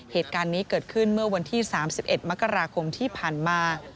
เหตุการณ์นี้เกิดขึ้นเมื่อวันที่๓๑มกราคมที่ผ่านมา